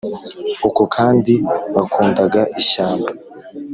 uko kandi bakundaga ishyamba,